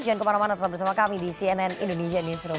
jangan kemana mana tetap bersama kami di cnn indonesia newsroom